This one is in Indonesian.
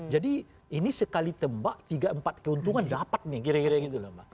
jadi ini sekali tembak tiga empat keuntungan dapat nih kira kira gitu